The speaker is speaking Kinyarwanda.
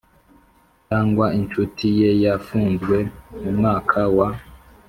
cyangwa incuti ye yafunzwe Mu mwaka wa